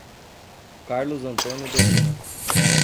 Carlos Antônio de Lima